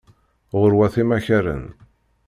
Γurwat imakaren.